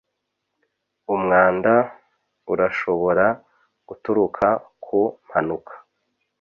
Umwanda urashobora guturuka ku mpanuka-